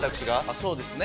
そうですね。